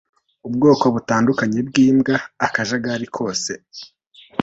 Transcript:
ubwoko butandukanye bw'imbwa; akajagari kose